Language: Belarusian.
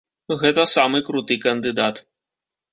Гэта самы круты кандыдат.